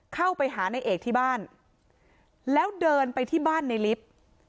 เข้าไปหาในเอกที่บ้านแล้วเดินไปที่บ้านในลิฟต์